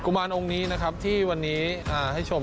มารองค์นี้นะครับที่วันนี้ให้ชม